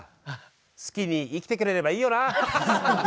好きに生きてくれればいいよな。